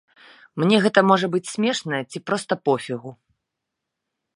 Мне гэта можа быць смешна ці проста пофігу.